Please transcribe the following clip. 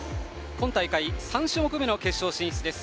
今大会、３種目めの決勝進出です。